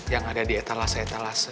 yang ada di etalase etalase